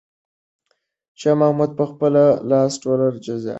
شاه محمود په خپله لاس ټول جزئیات څاري.